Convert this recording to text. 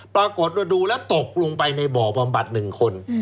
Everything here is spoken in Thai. ปรากฏว่าดูแล้วตกลงไปในบ่อบำบัด๑คน